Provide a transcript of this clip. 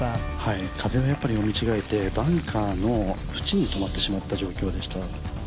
風をやっぱり読み違えて、バンカーの縁に止まってしまった状況でした。